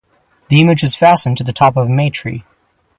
The image is fastened to the top of a May tree.